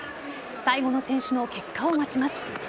最後の選手の結果を待ちます。